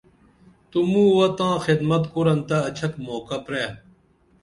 تو مووہ تاں خدمتہ کُرن تہ اچھک موقع پرئے